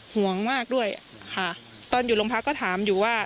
ห่วงมากด้วยค่ะตอนอยู่โรงพยาบาลวาปีปภูมิก็ถามอยู่ว่า